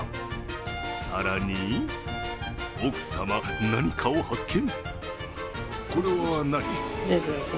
更に、奥様、何かを発見。